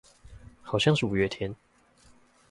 好像是五月天